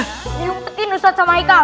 nyumpetin ustadz sama haikal